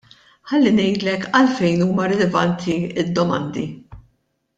Ħalli ngħidlek għalfejn huma rilevanti d-domandi.